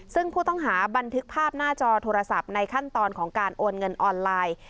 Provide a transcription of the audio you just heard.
ซึ่งผู้ต้องหาบันทึกภาพหน้าจอโทรศัพท์ในขั้นตอนของการโอนเงินออนไลน์